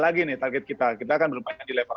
lagi nih target kita kita kan belum banyak di level